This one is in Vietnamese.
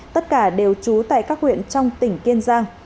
tất cả đều trú tại các huyện trong tỉnh kiên giang